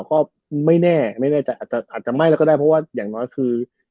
ก็ไม่แน่ไม่แน่ใจอาจจะอาจจะไหม้แล้วก็ได้เพราะว่าอย่างน้อยคือ